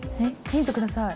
ヒントください。